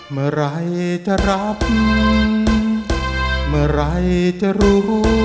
เมื่อไหร่จะรับเมื่อไหร่จะรู้